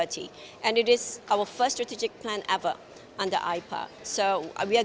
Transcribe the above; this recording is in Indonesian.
dan ini adalah proyek strategis pertama kami yang pernah dilakukan di aipa